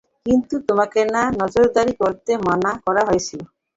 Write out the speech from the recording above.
কিন্তু তোমাকে না নজরদারি করতে মানা করা হয়েছিল?